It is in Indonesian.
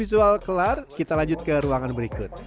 visual kelar kita lanjut ke ruangan berikut